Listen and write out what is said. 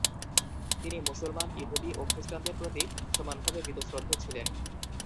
তিনি মুসলমান, ইহুদি ও খ্রিস্টানদের প্রতি সমানভাবে বীতশ্রদ্ধ ছিলেন।